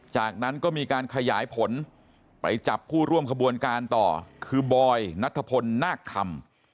จากนั้นก็มีการขยายผลไปจับผู้ร่วมขบวนการต่อคือบอยนัทพลนาคคำ